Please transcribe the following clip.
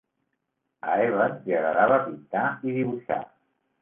A Evans li agradava pintar i dibuixar.